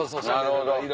なるほど。